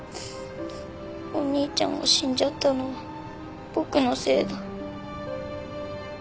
お兄ちゃんが死んじゃったのは僕のせいだ。